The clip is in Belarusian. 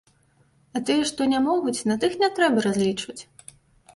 А тыя, што не могуць, на тых не трэба разлічваць.